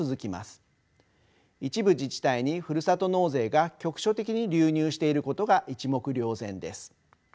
一部自治体にふるさと納税が局所的に流入していることが一目瞭然です。